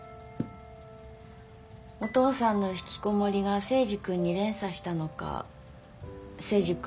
お父さんのひきこもりが征二君に連鎖したのか征二君